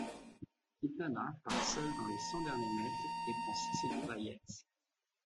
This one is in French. Quintana part seul dans les cent derniers mètres et prend six secondes à Yates.